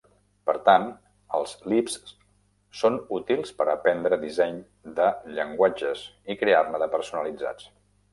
Per tant, els lisps són útils per aprendre disseny de llenguatges i crear-ne de personalitzats.